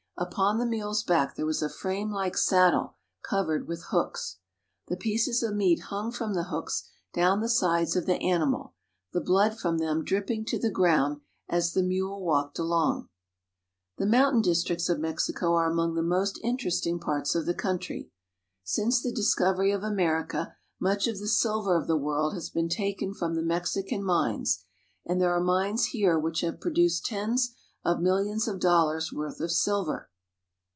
Upon the mule's back there was a framelike saddle cov ered with hooks. The pieces of meat hung from the hooks down the sides of the animal, the blood from them dripping to the ground as the mule walked along. The mountain districts of Mexico are among the most interesting parts of the country. Since the discovery of America, much of the silver of the world has been taken from the Mexican mines, and there are mines here which have produced tens of millions of dollars' worth of silver.